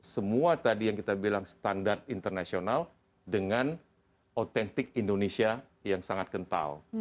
semua tadi yang kita bilang standar internasional dengan autentik indonesia yang sangat kental